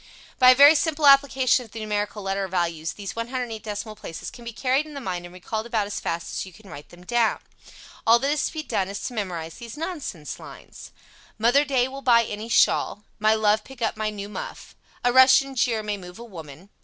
By a very simple application of the numerical letter values these 108 decimal places can be carried in the mind and recalled about as fast as you can write them down. All that is to be done is to memorize these nonsense lines: Mother Day will buy any shawl. My love pick up my new muff. A Russian jeer may move a woman.